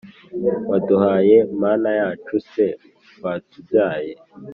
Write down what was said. waduhaye Mana yacu ese watubyaye